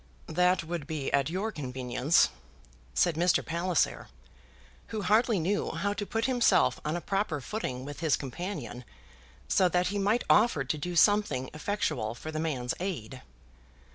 "That would be at your convenience," said Mr. Palliser, who hardly knew how to put himself on a proper footing with his companion, so that he might offer to do something effectual for the man's aid.